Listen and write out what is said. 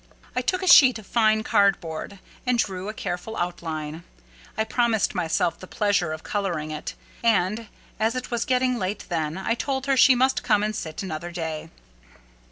I took a sheet of fine card board, and drew a careful outline. I promised myself the pleasure of colouring it; and, as it was getting late then, I told her she must come and sit another day.